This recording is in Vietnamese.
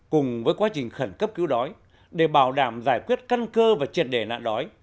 cùng với quá trình khẩn cấp cứu đói để bảo đảm giải quyết căn cơ và triệt đề nạn đói